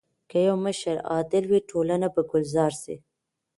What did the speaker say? که يو مشر عادل وي ټولنه به ګلزار سي.